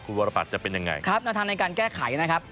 คุณวรปัตรจะเป็นยังไงครับแนวทางในการแก้ไขนะครับ